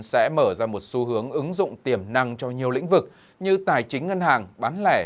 sẽ mở ra một xu hướng ứng dụng tiềm năng cho nhiều lĩnh vực như tài chính ngân hàng bán lẻ